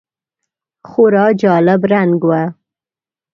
خورا جالب رنګ و .